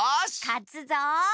かつぞ。